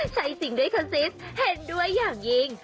ใช่สิ่งด้วยครับซิสเเห็นด้วยอย่างเอง